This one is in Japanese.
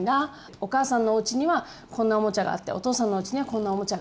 お母さんのおうちにはこんなオモチャがあってお父さんのおうちにはこんなオモチャがある。